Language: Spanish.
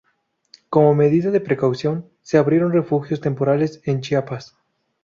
Como medida de precaución, se abrieron refugios temporales en Chiapas.